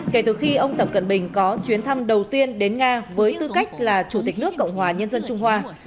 kể từ khi ông tập cận bình có chuyến thăm đầu tiên đến nga với tư cách là chủ tịch nước cộng hòa nhân dân trung hoa